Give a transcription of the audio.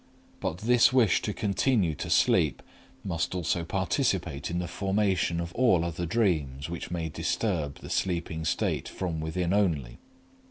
But this wish to continue to sleep must also participate in the formation of all other dreams which may disturb the sleeping state from within only.